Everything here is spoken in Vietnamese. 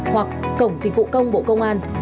hoặc cổng dịch vụ công bộ công an